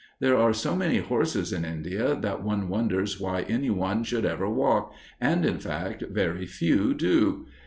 There are so many horses in India that one wonders why any one should ever walk, and, in fact, very few do.